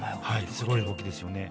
すごい動きですよね。